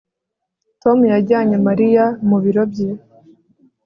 Tom yajyanye Mariya mu biro bye